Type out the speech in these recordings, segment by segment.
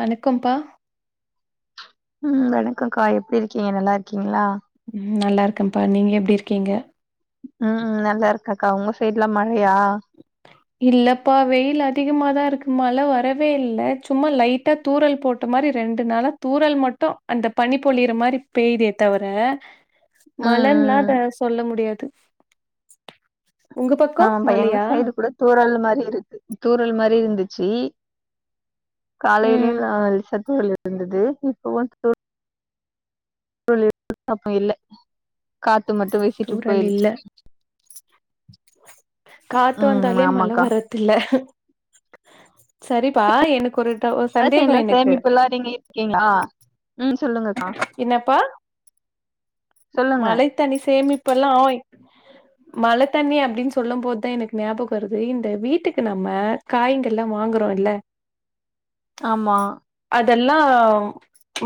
வணக்கம்ப்பா ம் வணக்கோக்கா எப்டி இருக்கீங்க நல்லா இருக்கீங்ளா ம் நல்லா இருக்கம்ப்பா நீங்க எப்டி இருக்கீங்க ம் நல்லார்க்கக்கா உங்க சைட்லா மழையா இல்லப்பா வெய்ல் அதிகமாதா இருக்கு மழ வரவே இல்ல சும்மா லைட்டா தூறல் போட்ட மாரி ரெண்டு நாளா தூறல் மட்டு அந்த பனி பொழியிற மாரி பெய்தே தவர ஊ மழன்லா அத சொல்ல முடியாது உங்க பக்கோ ஆமாப்பா எங்க மழயா சைடு கூட தூறல் மாரி இருக்கு தூறல் மாரி இர்ந்துச்சி ம் காலைலயு அ லேசா தூறல் இர்ந்துது இப்பவு தூற ல் அப்போ இல்ல காத்து மட்டு வீசிட்டு தூறல் போய்ருச்சு இல்ல காத்து வந்தாலே மழ ஆமாக்கா வரா தில்ல சரிப்பா எனக்கொரு எர்த் ரெய்ன்ல சேமிப்புல்லா நீங்க இருக்கீங்ளா ம் சொல்லுங்கக்கா என்னப்பா சொல்லுங்க மழை தண்ணி சேமிப்பெல்லா ஓய் மழ தண்ணி அப்டின் சொல்லும்போத் தா எனக்கு ஞாபகோ வருது இந்த வீட்டுக்கு நம்ம காய்ங்கல்லா வாங்குறோ இல்ல ஆமா அதெல்லா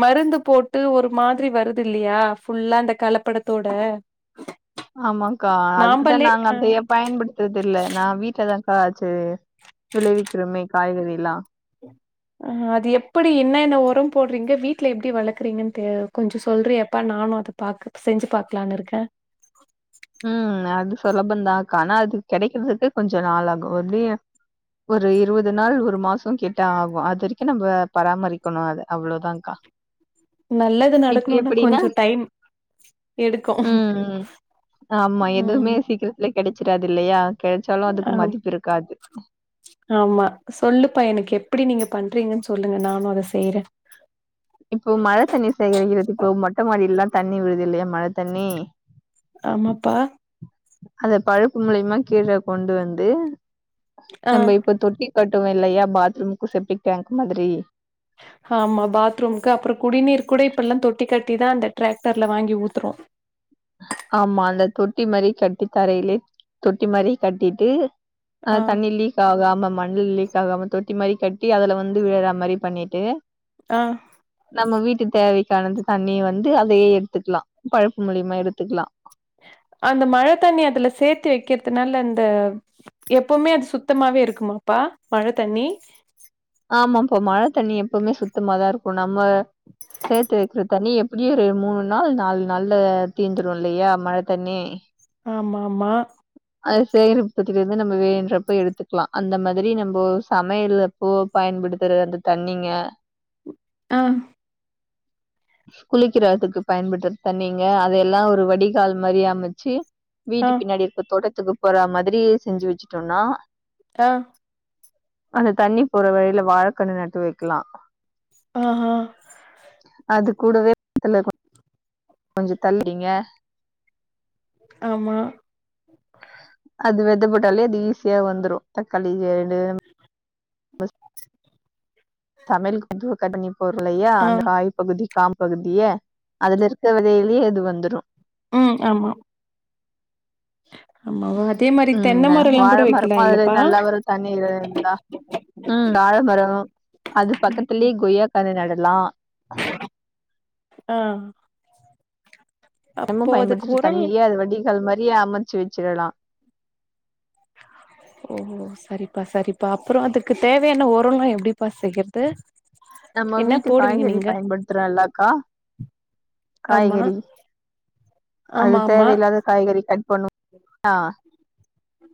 மருந்து போட்டு ஒரு மாதிரி வருதில்லியா ஃபுல்லா இந்த கலப்படத்தோட ஆமாங்க்கா அதுக்குதா நாம்பளே நாங்க அ அந்த எப் பயன்படுத்துற்தில்ல நா வீட்லதாக்கா வெச்சு விளைவிக்கிறமே காய்கறில்லா ஆ அது எப்டி என்னென்ன ஒரோ போட்றீங்க வீட்ல எப்டி வளக்கறீங்கன்ட்டு கொஞ்சோ சொல்றயாப்பா நானு அத பாக்க செஞ்சு பாக்கலான்னுருக்கே ம் அது சுலபந்தாக்கா ஆனா அது கெடைக்கிறதுக்கு கொஞ்சோ நாள் ஆகு ம் எப்டியு ஒரு இருவது நாள் ஒரு மாசோ கிட் ட ஆகு அது வரைக்கு நம்ப பராமரிக்கணு அத அவ்ளோதாங்க்கா நல்லது நடக்கணுன்னா கொஞ்சோ டைம் எடுக்கு ம். ஆமா ம் எதுமே சீக்கிரத்துல கெடச்சிறாது இல்லயா கெட்ச்சாலு ஆ அதுக்கு மதிப்பிருக்காது ஆமா சொல்லுப்பா எனக்கு எப்டி நீங்க பண்றீங்கன் சொல்லுங்க நானு அத செய்றே இப்போ மழ தண்ணி சேகரிக்கிறது இப்போ மொட்ட மாடில்லா தண்ணி விழுதில்லயா மழ தண்ணி ஆமாப்பா அத பழுப்பு மூலியமா கீழ கொண்டு வந்து ஆ நம்ம இப்ப தொட்டி கட்டுவோ இல்லயா பாத்ரூம்க்கு செப்டிக் டேங்க்கு மாதிரி ஹாமா பாத்ரூம்க்கு அப்றோ குடிநீர் கூட இப்பெல்லா தொட்டி கட்டி தா அந்த ட்ராக்டர்ல வாங்கி ஊத்தறோ ஆமா அந்த தொட்டி மாரி கட்டி தரையிலயே தொட்டி மாரி கட்டிட்டு ஆ தண்ணி லீ க்காகாம மண்ல லீக் ஆகாம தொட்டி மாரி கட்டி அதுல வந்து விழுற மாரி பண்ணிட்டு ஆ நம்ம வீட்டு தேவைக்கானது தண்ணி வந்து அதையே எத்துக்கலா பழுப்பு மூலியமா எடுத்துக்குலா அந்த மழ தண்ணி அதுல சேத்து வக்கிறதுனால அந்த எப்போமே அது சுத்தமாவே இருக்குமாப்பா மழ தண்ணி ஆமாப்பா மழ தண்ணி எப்போமே சுத்தமா தா இருக்கு நம்ம சேத்து வக்கிற தண்ணி எப் ப்டியேரு மூணு நாள் நாலு நாள்ல தீந்துரு இல்லையா மழ தண்ணி ஆமா ஆமா அது செய்றப்பத்தேல இருந்து நம்ம வேனுன்றப்ப எடுத்துக்கலா அந்த மாதிரி நம்போ சமையல் அப்போ பயன்படுத்துற அந்த தண்ணிங்க ஆ குளிக்கிறத்துக்கு பயன்படுத்துற தண்ணிங்க அதெல்லா ஒரு வடிகால் மாரி அமச்சு வீட்டு பின்னாடி இருக்க தோட்டத்துக்கு போற மாரி செஞ்சு வச்சுட்டோன்னா ஆ அந்த தண்ணி போற வழில வாழக்கன்னு நட்டு வக்கலா ஆ ஆ அது கூடவே பக்கத்துல கொஞ்சோ தள்ளிங்க ஆமா அது வெத போட்டாலே அது ஈஸியா வந்துரு தக்காளி ஏடு தமிழ் வந்து [unintelligible] ஆ அந்த காய் பகுதி கா பகுதியே அதுல இருக்க வெதைலயே இது வந்துரு ம் ஆமா ஆமாவா அதே மாரி ம் தென்ன ந்தா மரல்லா வாழ கூட வைக்கலா மரமு அதுல இல்லப்பா நல்லா வரு தண்ணி இ இருந்தா ம் வாழமரோ அது பக்கத்துலயே கொய்யாக் கன்ன நடலா ஆ அப்போ மும் அதுக்கு பயன்படுத்திட்டு உரம் தண்ணியே அது வடிகால் மாரியே அமைச்சு வச்சிடலா ஓ சரிப்பா சரிப்பா அப்புறோ அதுக்கு தேவையான ஒரோ லா எப்டிப்பா செய்யறது நம்ம என்ன வீட்டு போடுவீங்க காய்கறி நீங்க பயன்படுத்துறோலக்கா ஆமா காய்கறி அது ஆமா தேவை இல்லாத காய்கறி கட் பண்ணும் ஆ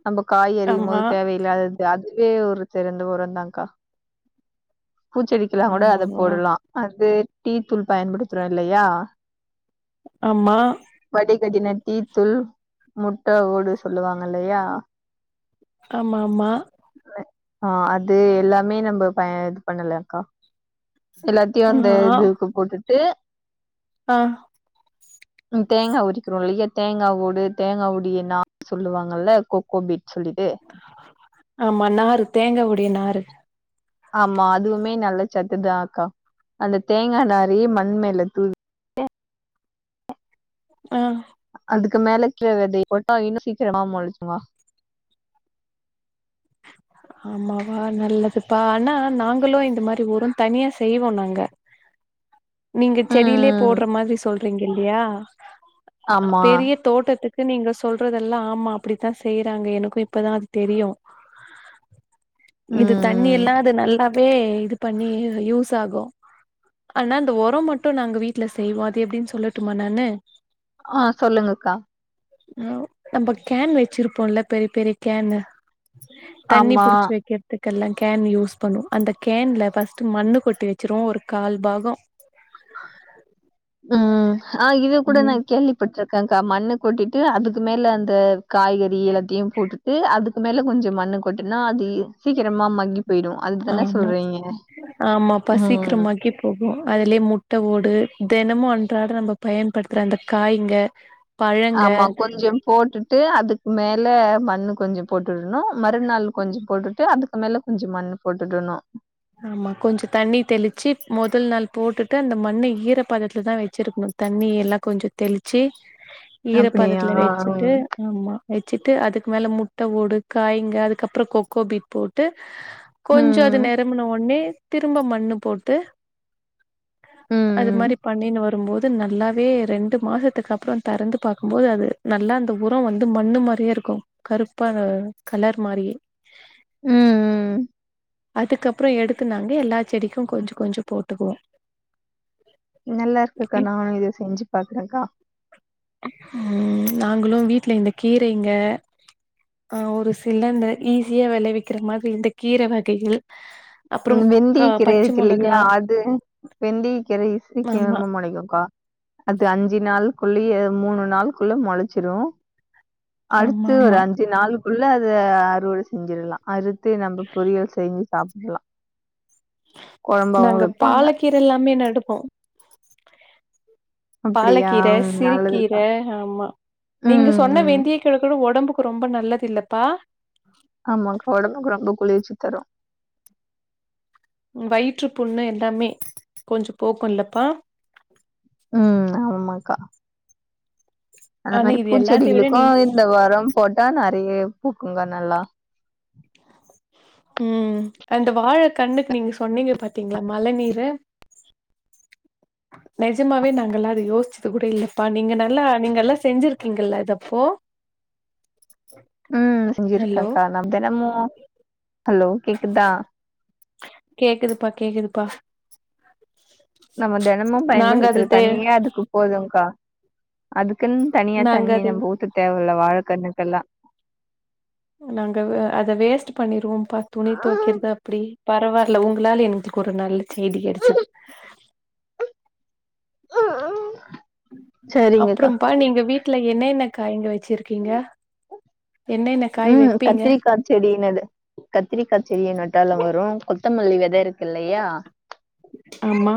நம்ப காய் அரியும் ஆமா போது தேவையில்லாத அதுவே ஒரு தெரிந்த உர தா கா பூச்செடிக்கலா ஆமா கூட அத ஆமாவா போடலா அது டீ தூள் பயன்படுத்துறோ இல்லையா ஆமா வடிகட்டின டீ தூள் முட்ட ஓடு சொல்லுவாங்க இல்லையா ஆமா ஆமா ஆ அது எல்லாமே நம்ப ப இது பண்ணலக்கா எல்லாத்தையு அந்த ஆமா ஆ இதுக்கு போட்டுட்டு ஆ ம் தேங்காய் உரிக்கிறோ இல்லையா தேங்கா ஓடு தேங்கா ஒடியனா சொல்லுவாங்கல்ல கொக்கோ பீட் சொல்லிட்டு ஆமா நாரு தேங்காவுடைய நாரு ஆமா அதுவுமே நல்ல சத்துதா அக்கா அந்த தேங்காய் நாரே மண் மேல தூ ஆ அதுக்கு மேலக்ற விதைய போட்டா இன்னு சீக்கிரம்மா முளச்சுருங்களா ஆமாவா நல்லதுப்பா ஆனா நாங்களு இந்த மாதிரி உரோ தனியா செய்வோ நாங்க நீங்க செடியிலே ம் போட்ற மாதிரி சொல்றீங்க இல்லையா ஆமா பெரிய தோட்டத்துக்கு நீங்க சொல்றதெல்லா ஆமா அப்டித்தா செய்யறாங்க எனக்கு இப்பதா அது தெரியு இது தண்ணி ம் எல்லா அது நல்லாவே இது பண்ணி யூஸ் ஆகு ஆனா இந்த உரோ மட்டு நாங்க வீட்டல செய்வோ அது எப்டின்னு சொல்லட்டுமா நானு ஆ சொல்லுங்கக்கா நம்ம கேன் வச்சிருப்போம்ல பெரிய பெரிய கேன் தண்ணி ஆமா புடிச்சு வைக்க அதுக்கெல்லா கேன் யூஸ் பண்ணுவு அந்த கேன்ல பஸ்ட்டு மண்ணு கொட்டி வச்சிருவோ ஒரு கால் பாகோ ம் ஆ இது கூட ம் நான் கேலி போட்ருக்கங்க்கா மண்ணு கொட்டிட்டு அதுக்கு மேல அந்த காய்கறி எல்லாத்தையு போட்டு ட்டு அதுக்கு மேல கொஞ்சோ மண்ணு கொட்டனா அது சீக்கிரமா மங்கி போயிடு அதுதான ஆமா சொல்றீங்க ம் போகும் அதுலயே முட்டை ஓடு தினமு அன்றாட நம்ம பயன்படுத்துற அந்த காய்ங்க பழங்க ஆமா கொஞ்சோ போட்டு ட்டு அதுக்கு மேல மண்ணு கொஞ்சோ போட்டுடணு மறுநாள் கொஞ்சோ போட்டுட்டு அதுக் அது மேல கொஞ்சோ மண்ணு போட்டுடணு ஆமா கொஞ்சோ தண்ணி தெளிச்சு முதல் நாள் போட்டுட்டு அந்த மண்ண ஈர பதத்துல தா வச்சிருக்கணு தண்ணி எல்லா கொஞ்சோ தெளிச்சு ம் ஈரப்பதத்தில வச்சுட்டு ஆமா வச்சுட்டு அதுக்கு மேல முட்டை ஓடு காய்ங்க அதுக்கப்றோ கொக்கோபீட் போட்டு கொஞ்சோ அது ம். ம். நேரோ உன்னே திரும்ப மண்ணு போட்டு அது ம். மாதிரி பண்ணி னு வரும்போது அ நல்லாவே ரெண்டு மாசத்துக்கு அப்றோ திறந்து பார்க்கும்போது அது நல்லா அந்த உரோ வந்து மண்ணு மாறியே இருக்கும் கருப்பான கலர் மாரி ம் ம் அதுக்கப்றோ எடுத்து நாங்க எல்லா செடிக்கு கொஞ்சோ கொஞ்சோ போட்டுக்குவோ நல்லா இருக்குக்கா நானு இத செஞ்சு பாக்குறேக்கா ஆ நாங்களு வீட்ல இந்த கீரைங்க ஆ ஒரு சிலந்த ஈஸியா விளைவிக்கிற மாதிரி இந்த கீரை வகைகள் அப்புறம் ம் வெந்திய க கீரை பச்ச மொளகா இருக்குள்ளீங்களா அது வெந்திய கீரை ஆமா சீக்கிரமா முளைக்குங்க்கா அது அஞ்சு நாள்குள்ளயே மூணு நாளுகுள்ள முளைச்சிரு ஆமா அடுத்து ஒரு ஆமா அஞ்சு நாளுக்குள்ள அத அறுவடை செஞ்சிரலா அறு த்து நம்ப பொரியல் செஞ்சு சாப்ட்டுக்கலா நாங்க வைப்பாங்க. பாலக்கீர எல்லாமே நடுப்போ அப்படியா? பாலக்கீரை ம். நல்லதுக்கா. சிறுக்கீரை ஆமா நீங்க ம், சொன்ன ம். வெந்திய கீர கூட உடம்புக்கு ரொம்ப நல்லது இல்லப்பா ஆமாங்க உடம்புக்கு ரொம்ப குளிர்ச்சி தரு வயிற்று புண்ணு எல்லாமே கொஞ்சோ போக்கு இல்லப்பா ம் ஆமாக்கா அந்த ஆனா மாதிரி இது எல்லாத்த விட பூச்செடிகளுக்கு நீ இந்த உரோ போட்டா நிறையா பூக்குங்க நல்லா ம் அந்த வாழ கண்ணுக்கு நீங்க சொன்னீங்க பாத்தீங்களா மழ நீரு நிஜமாவே நாங்க எல்லா அத யோசிச்சது கூட இல்லப்பா நீங்க நல்லா நீங்க எல்லா செஞ்சிருக்கீங்கல்ல இதப்போ ம் ஹலோ செஞ்சுருக்கேக்கா நா தெனமு ஹலோ கேக்குதா கேக்குதுப்பா கேக்குதுப்பா நம்ம தெனமு நாங்க பயன்படுத்துற அது தே தண்ணியே அதுக்கு போதுகா அதுக்குன்னு தனியா நாங்க தண்ணி அது நம்ம ஊத்து தேவல்ல வாழக்கன்னுக்கெல்லா நாங்க வ அத வேஸ்ட்டு பண்ணிருவோ பா துணி தொவைக்கறது அப்டி சேதி கெடச்சது அப்பறோ சரிங்கக்கா. ப்பா நீங்க வீட்ல என்னென்ன காய்ங்க வச்சிருக்கீங்க என்னென்ன காய் ம் வைப்பீங்க கத்திரிக்கா செடினது கத்திரிக்கா செடிய நட்டாலு வரு கொத்தமல்லி வெத இருக்கு இல்லையா ஆமா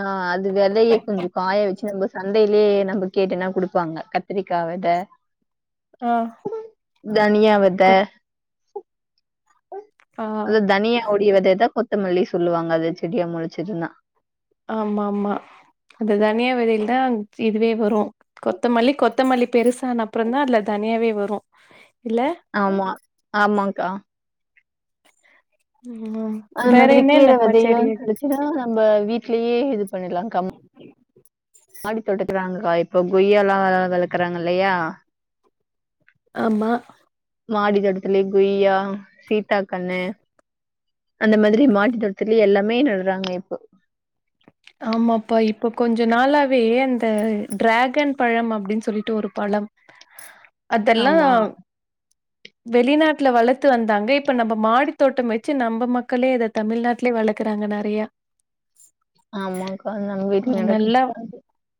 ஆ அது வெதையை கொஞ்சோ காய வச்சு நம்ம சந்தைலேயே நம்ம கேட்டனா குடுப்பாங்க கத் கத்தரிக்கா வெத ஆ தனியா வெத கொத் ஆ வு தனியா ஓடி வெத தா கொத்தமல்லி சொல்லுவாங்க அத செடியா மொளச்சுதுனா ஆமாமா அது தனியா வெதகள் தாங் சி இதுவே வரு கொத்தமல்லி கொத்தமல்லி பெருசான அப்றோதா அதுல தன்யாவே வரு இல்ல ஆமா ஆமாங்க்கா ம் ஆமாம் அது மாதிரி கீர வெதையு கெடச்சுனா நம்ப வீட்லயே இது பண்ணிற்லா கம் மாடி தோட்டுத்துலதா க்கா இப்ப கொய்யா ல்லா வளக்குறாங்க இல்லையா ஆமா மாடி தோட்டத்துலே குய்யா சீத்தா கண்ணு அந்த மாதிரி மாடி தோட்டத்துலயே எல்லாமே நடடுறாங்க இப்போ ஆமாப்பா இப்ப கொஞ்ச நாளாவே அந்த டிராகன் பழம் அப்டின்னு சொல்லிட்டு ஒரு பழம் அதெல்லா ஆமா, வெளிநாட்டுல வளத்து வந்தாங்க இப்ப நம்ம மாடி தோட்டம் வச்சு நம்ம மக்களே அத தமிழ்நாட்லயே வளக்குறாங்க நெறையா ஆமாக்கா. நம்ம வீட்ல ம் நல்லா நடக்குதுக்கா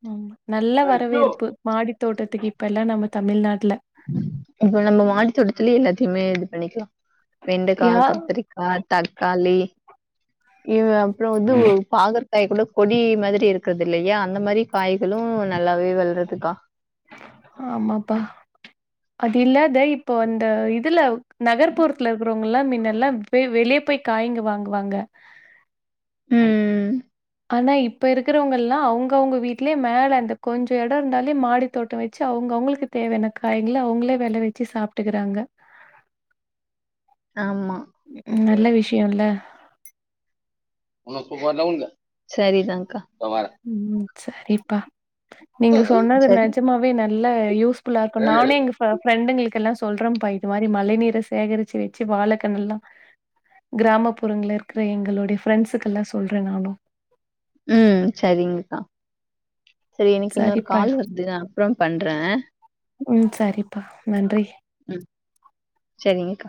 அம் நல்ல அது. வரவேற்பு மாடி தோட்டத்துக்கு இப்ப எல்லா நம்ம தமிழ்நாட்டுல இப்ப நம்ம மாடித்தோட்டத்துலயே எல்லாத்தையுமே இது பண்ணிக்கலா வெண்டைக்கா யா கத்திரிக் ஆ தக்காளி இயு அப்பறோ வந்து பாகற்க்காய் கூட கொடி மாதிரி இருக்குது இல்லையா அந்த மாரி காய்களு நல்லாவே வளருதுக்கா ஆமாப்பா அது இல்லாத இப்போ அந்த இதுல நகர்ப்புறத்துல இருக்குறோ நம்மெல்லா முன்னெல்லா போய் வெளிய போய் காய்ங்க வாங்குவாங்க ம் ஆனா இப்ப இருக்கிறவங்கல்லா அவங்கவுங்க வீடலயே மேல இந்த கொஞ்ச எடோ இருந்தாலே மாடி தோட்டோ வச்சு அவங்க அவங்களுக்கு தேவையான காயங்கள அவங்களே வெல வச்சு சாப்ட்டுக்கறாங்க ஆமா. ம் நல்ல விஷ்யோல்ல சரிதாங்கா ம் சரிப்பா நீங்க சொன்னது சரி. நெஜமாவே நல்லா யூஸ் ஃபுல்லா இருக்கும் நானே எங்க இப்ப ஃப்ரெண்டுங்களுக்கு எல்லா சொல்றம்ப்பா இது மாரி மழை நீர சேகரிச்சு வச்சு வாழக்கண்னல்லா கிராமப்புறங்கள இருக்கிற எங்களுடைய ஃப்ரெண்ட்ஸுக்கெல்லா சொல்றே நானும் ம் சரிங்கக்கா சரி எனக்கு இன்னொரு சரிப்பா. கால் வருது நா அப்றோ பண்றே ம் சரிப்பா நன்றி ம் சரிங்கக்கா